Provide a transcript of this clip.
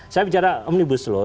saya bicara omnibus loh